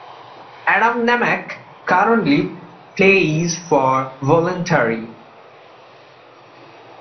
Adam Nemec currently plays for Voluntari.